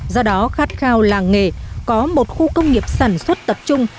do đó khát khao làng nghề có một khu công nghiệp sản xuất tập trung